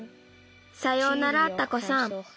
さようならタコさん。